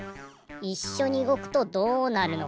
いっしょにうごくとどうなるのか。